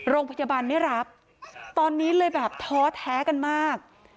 โรงพยาบาลไม่รับตอนนี้เลยแบบท้อแท้กันมาก